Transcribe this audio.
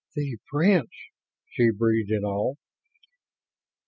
"The Prince," she breathed, in awe.